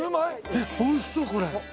えっ美味しそうこれ。